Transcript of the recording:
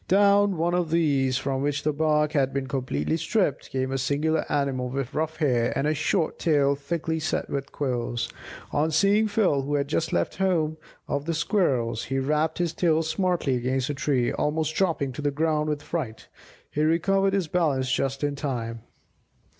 Down one of these, from which the bark had been completely stripped, came a singular animal with rough hair, and a short tail thickly set with quills. On seeing Phil, who had just left the home of the Squirrels, he rapped his tail smartly against a tree, almost dropping to the ground with fright. He recovered his balance just in time.